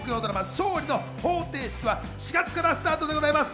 『勝利の方程式』は４月からスタートでございます。